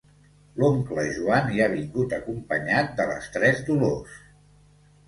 L'oncle Joan hi ha vingut acompanyat de les tres Dolors.